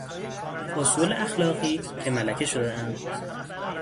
اصول اخلاقی که ملکه شدهاند